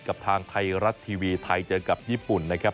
กับทางไทยรัฐทีวีไทยเจอกับญี่ปุ่นนะครับ